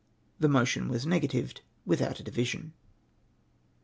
The motion w:is negatived with(Xit a division.